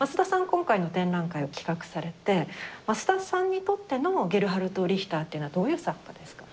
今回の展覧会を企画されて桝田さんにとってのゲルハルト・リヒターっていうのはどういう作家ですか？